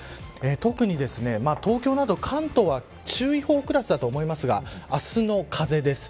特に東京など関東は注意報クラスだと思いますが明日の風です。